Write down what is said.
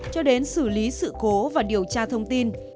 cho đến xử lý sự cố và điều tra thông tin